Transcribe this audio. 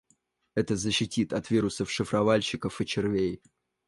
Это защитит от вирусов-шифровальщиков и червей